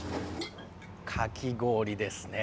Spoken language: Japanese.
かき氷ですね。